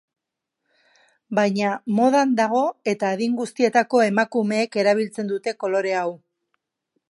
Baina, modan dago eta adin guztietako emakumeek erabiltzen dute kolore hau.